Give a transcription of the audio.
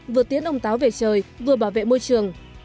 vừa tiến ông táo về trời vừa bảo vệ môi trường